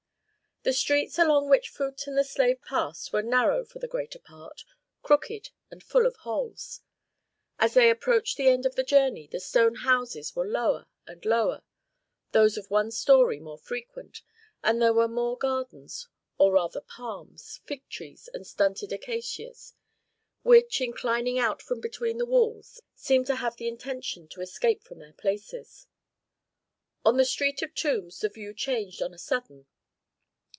The streets along which Phut and the slave passed were narrow for the greater part, crooked and full of holes. As they approached the end of the journey, the stone houses were lower and lower, those of one story more frequent, and there were more gardens, or rather palms, fig trees, and stunted acacias, which, inclining out from between the walls, seemed to have the intention to escape from their places. On the Street of Tombs the view changed on a sudden.